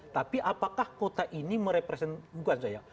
tapi apakah kota ini merepresentasi bukan saya